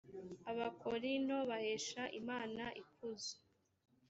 abakorinto bahesha imana ikuzo